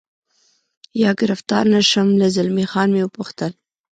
یا ګرفتار نه شم، له زلمی خان مې و پوښتل.